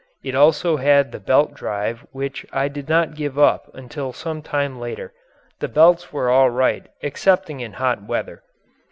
It also had the belt drive which I did not give up until some time later; the belts were all right excepting in hot weather.